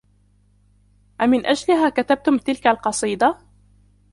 أمن أجلها كتبتم تلك القصيدة؟